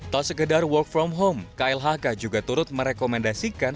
tak sekedar work from home klhk juga turut merekomendasikan